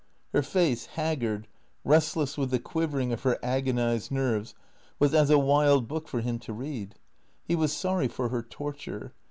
Her face, haggard, restless with the quivering of her agonized nerves, was as a wild book for him to read. He was sorry for her torture.